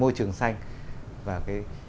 môi trường xanh và cái